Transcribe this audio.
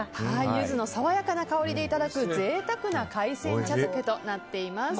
ゆずの爽やかな香りでいただく贅沢な海鮮茶漬けとなっています。